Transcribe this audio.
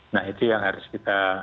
nah itu yang harus kita